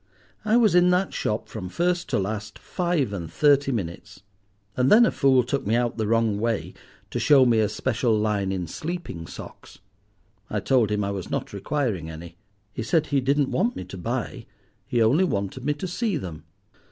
I was in that shop from first to last five and thirty minutes. And then a fool took me out the wrong way to show me a special line in sleeping socks. I told him I was not requiring any. He said he didn't want me to buy, he only wanted me to see them.